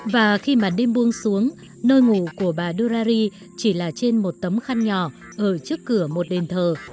và khi màn đêm buông xuống nơi ngủ của bà dularri chỉ là trên một tấm khăn nhỏ ở trước cửa một đền thờ